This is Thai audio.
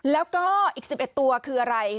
แล้วก็อีก๑๑ตัวคืออะไร